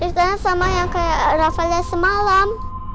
riftanya sama yang kayak raffanya semalam